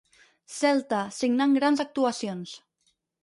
Celta, signant grans actuacions.